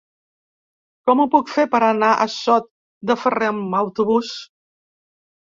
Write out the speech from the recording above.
Com ho puc fer per anar a Sot de Ferrer amb autobús?